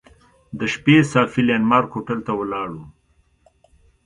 د شپې صافي لینډ مارک هوټل ته ولاړو.